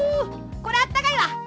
これはあったかいわ。